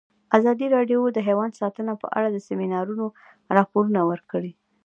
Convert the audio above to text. ازادي راډیو د حیوان ساتنه په اړه د سیمینارونو راپورونه ورکړي.